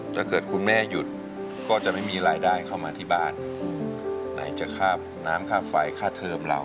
ถ้าเกิดคุณแม่หยุดก็จะไม่มีรายได้เข้ามาที่บ้านไหนจะค่าน้ำค่าไฟค่าเทอมเรา